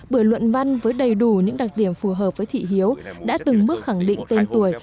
bưởi luận văn với đầy đủ những đặc điểm phù hợp với thị hiếu đã từng mức khẳng định tên tuổi